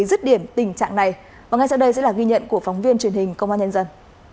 dứt điểm tình trạng này và ngay sau đây sẽ là ghi nhận của phóng viên truyền hình công an nhân dân